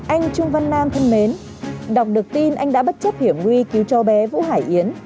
anh trương văn nam thân mến đọc được tin anh đã bất chấp hiểm nguy cứu cho bé vũ hải yến